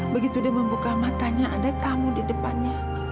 begitu dia membuka matanya ada kamu di depannya